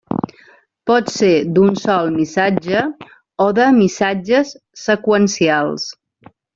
Pot ser d'un sol missatge o de missatges seqüencials.